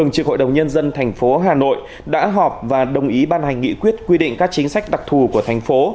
sở hội đồng nhân dân tp hà nội đã họp và đồng ý ban hành nghị quyết quy định các chính sách đặc thù của tp